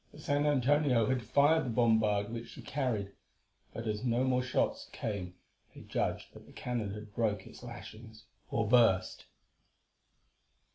The San Antonio had fired the bombard which she carried, but as no more shots came they judged that the cannon had broke its lashings or burst.